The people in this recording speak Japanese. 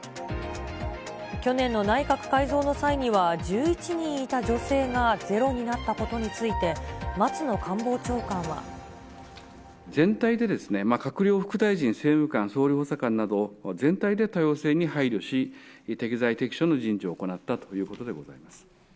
去年の内閣改造の際には１１人いた女性がゼロになったことについ全体で閣僚、副大臣、政務官、総理補佐官など、全体で多様性に配慮し、適材適所の人事を行ったということでございます。